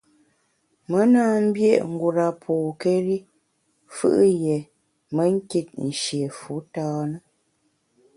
Me na mbié’ ngura pôkéri fù’ yié me nkit nshié fu tâ na.